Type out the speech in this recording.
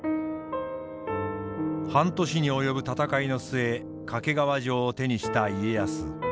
半年に及ぶ戦いの末掛川城を手にした家康。